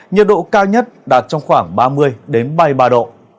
nhiệt độ cao nhất đạt trong khoảng ba mươi ba mươi ba độ